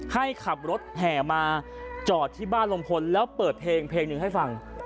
ให้ขับรถแห่มาจอดที่บ้านลุงพลแล้วเปิดเพลงเพลงหนึ่งให้ฟัง